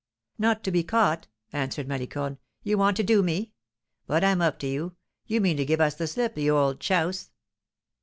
"Not to be caught!" answered Malicorne; "you want to do me! But I'm up to you! You mean to give us the slip, you old chouse!"